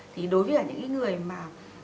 thì đối với những người mà